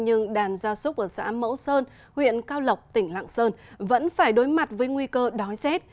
nhưng đàn gia súc ở xã mẫu sơn huyện cao lộc tỉnh lạng sơn vẫn phải đối mặt với nguy cơ đói rét